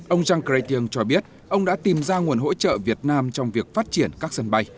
ông jean chrétien cho biết ông đã tìm ra nguồn hỗ trợ việt nam trong việc phát triển các sân bay